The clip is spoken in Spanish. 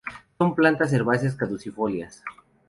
Son plantas herbáceas caducifolias.